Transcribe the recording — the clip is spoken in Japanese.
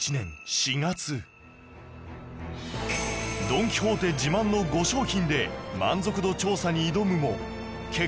ドン・キホーテ自慢の５商品で満足度調査に挑むも結果は